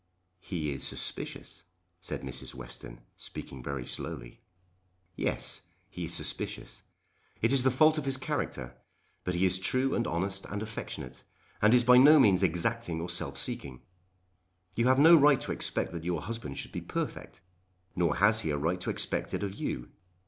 "He is suspicious," said Mrs. Western, speaking very slowly. "Yes; he is suspicious. It is the fault of his character. But he is true and honest, and affectionate, and is by no means exacting or self seeking. You have no right to expect that your husband should be perfect; nor has he a right to expect it of you.